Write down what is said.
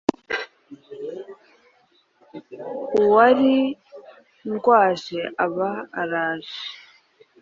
auwari ndwaje aba araje.